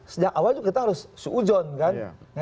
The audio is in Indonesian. sejak awal kita harus seujon kan